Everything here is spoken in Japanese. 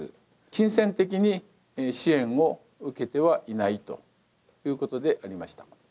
金銭的に支援を受けてはいないということでありました。